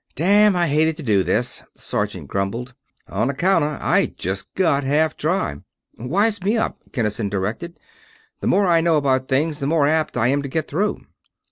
"Damn! I hated to do this," the sergeant grumbled, "On accounta I just got half dry." "Wise me up," Kinnison directed. "The more I know about things, the more apt I am to get through."